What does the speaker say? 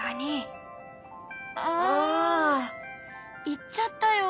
行っちゃったよ。